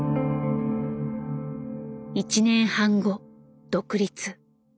１年半後独立。